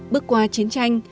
bước qua chiến tranh